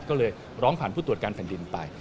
ก็เลยร้องผ่านผู้ตรวจการแผ่นดินไป